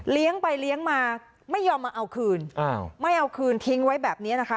เลี้ยงไปเลี้ยงมาไม่ยอมมาเอาคืนไม่เอาคืนทิ้งไว้แบบเนี้ยนะคะ